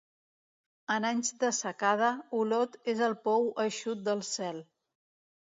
En anys de secada, Olot és el pou eixut del cel.